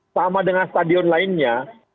sama dengan stadion lainnya